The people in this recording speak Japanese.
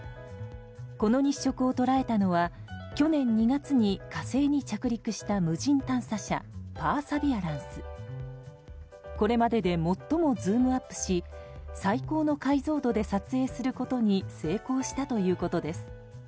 この日食を捉えたのは去年２月に火星に着陸した無人探査車「パーサビアランス」。これまでで最もズームアップし最高の解像度で撮影することに成功したということです。